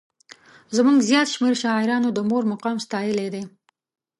زموږ زیات شمېر شاعرانو د مور مقام ستایلی دی.